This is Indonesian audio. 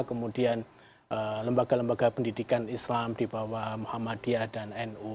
kemudian lembaga lembaga pendidikan islam di bawah muhammadiyah dan nu